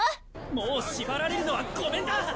もう縛られるのはごめんだ！